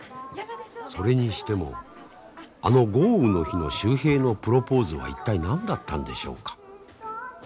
それにしてもあの豪雨の日の秀平のプロポーズは一体何だったんでしょうか。